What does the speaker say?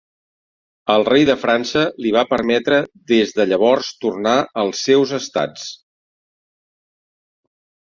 El rei de França li va permetre des de llavors tornar als seus estats.